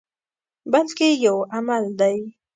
بلکې یو عمل دی.